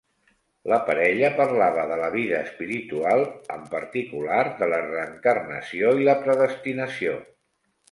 La parella parlava de la vida espiritual, en particular, de la reencarnació i la predestinació.